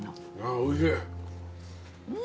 おいしい。